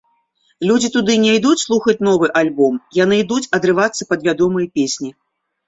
Людзі туды не ідуць слухаць новы альбом, яны ідуць адрывацца пад вядомыя песні.